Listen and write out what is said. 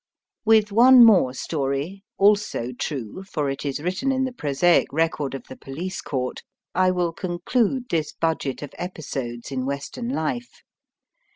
With one more story, also true, for it is written in the prosaic record of the police court, I will conclude this budget of episodes in Western life.